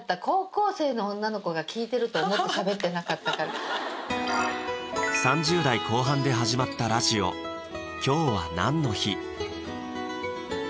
そこはね３０代後半で始まったラジオ「今日はナンノ日っ！」